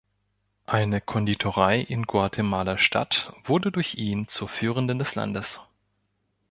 Eine Konditorei in Guatemala-Stadt wurde durch ihn zur führenden des Landes.